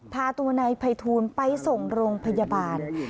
พาตัวนายภัยทูลไปส่งโรงพยาบาล